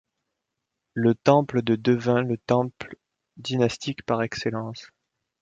Le temple de devint le temple dynastique par excellence.